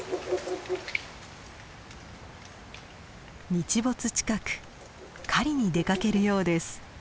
日没近く狩りに出かけるようです。